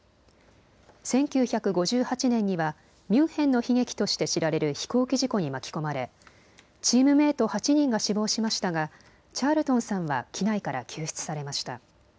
１９５８年にはミュンヘンの悲劇として知られる飛行機事故に巻き込まれチームメート８人が死亡しましたがチャールトンさんは機内から救出されました。